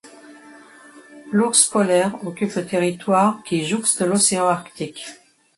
L’ours polaire occupe le territoire qui jouxte l’océan arctique.